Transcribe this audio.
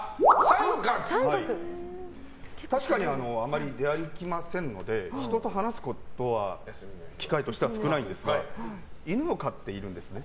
確かにあまり出歩きませんので人と話すことは機会としては少ないんですが犬を飼っているんですね。